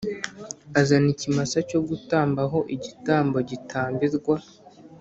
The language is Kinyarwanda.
Azana ikimasa cyo gutamba ho igitambo gitambirwa